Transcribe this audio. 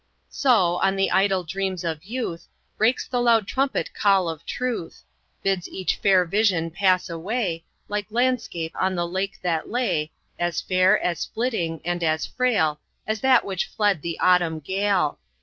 So, on the idle dreams of youth, Breaks the loud trumpet call of truth, Bids each fair vision pass away, Like landscape on the lake that lay, As fair, as flitting, and as frail, As that which fled the Autumn gale.